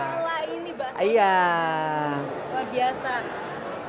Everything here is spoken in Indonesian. nah ini mangkuknya tuh